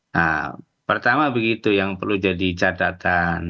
nah pertama begitu yang perlu jadi catatan